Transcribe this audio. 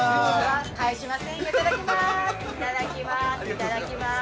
いただきます。